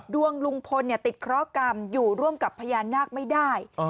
ดวงลุงพลติดเคราะหกรรมอยู่ร่วมกับพญานาคไม่ได้